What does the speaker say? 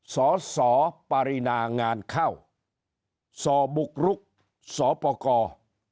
ส่อส่อปารีนางานเข้าส่อบุกรุกส่อปกตร